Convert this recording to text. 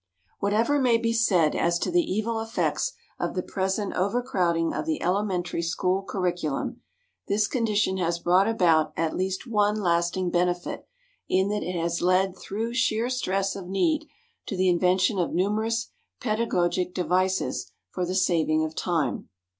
Whatever may be said as to the evil effects of the present overcrowding of the elementary school curriculum, this condition has brought about at least one lasting benefit in that it has led through sheer stress of need to the invention of numerous pedagogic devices for the saving of time.